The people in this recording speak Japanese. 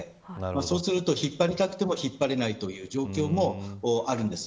そうすると引っ張りたくても引っ張れないという状況もあります。